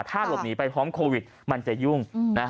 ถ้าหลบหนีไปพร้อมโควิดมันจะยุ่ง